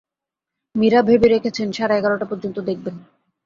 মীরা ভেবে রেখেছেন, সাড়ে এগারটা পর্যন্ত দেখবেন।